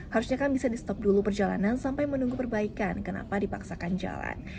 harusnya kan bisa di stop dulu perjalanan sampai menunggu perbaikan kenapa dipaksakan jalan